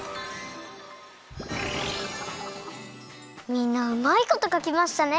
みんなうまいことかきましたね。